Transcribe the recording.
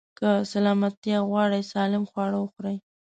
که سلامتيا غواړئ، سالم خواړه وخورئ.